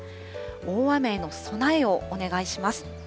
大雨への備えをお願いします。